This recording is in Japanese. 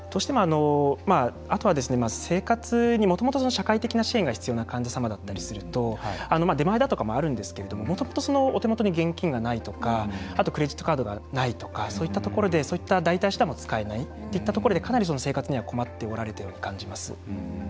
あとは、生活にもともと社会的な支援が必要な患者様だったりすると出前だとかもあるんですけれどももともとお手元に現金がないとかあとクレジットカードがないとかそういったところでそういった代替手段も使えないというところで、かなり生活には困っておられたように感じます。